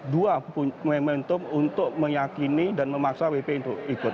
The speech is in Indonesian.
dua momentum untuk meyakini dan memaksa wp untuk ikut